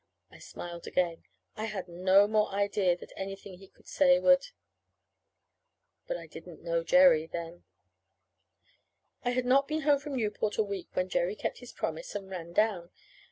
I smiled again. I had no more idea that anything he could say would But I didn't know Jerry then. I had not been home from Newport a week when Jerry kept his promise and "ran down."